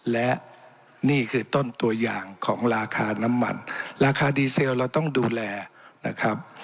และนี่คือต้นตัวอย่างของราคาน้ำมันราคาดีเซลเราต้องดูแลนะครับ